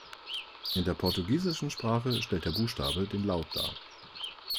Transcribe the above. In der portugiesischen Sprache stellt der Buchstabe den Laut dar.